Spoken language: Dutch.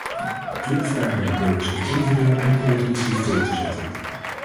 Natuurlijk vragen we de burgers zich individueel en collectief hiervoor in te zetten.